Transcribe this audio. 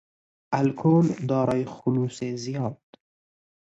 الکل دارای خلوص زیاد